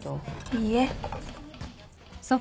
いいえ。